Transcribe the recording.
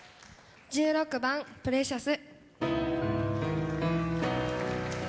１６番「Ｐｒｅｃｉｏｕｓ」。